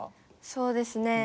そうですね